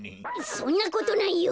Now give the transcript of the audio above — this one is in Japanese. そんなことないよ。